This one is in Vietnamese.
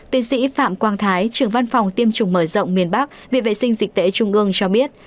tiến sĩ phạm quang thái trưởng văn phòng tiêm chủng mở rộng miền bắc viện vệ sinh dịch tễ trung ương cho biết